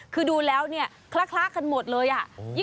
คือดูแล้วเนี่ยคละกันหมดเลยอ่ะ